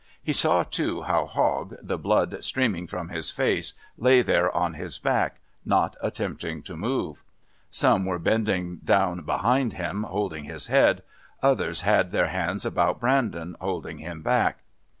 He saw, too, how Hogg, the blood streaming from his face, lay there on his back, not attempting to move. Some were bending down behind him, holding his head, others had their hands about Brandon, holding him back.